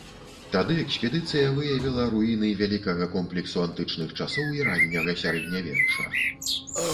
Тады экспедыцыя выявіла руіны вялікага комплексу антычных часоў і ранняга сярэднявечча.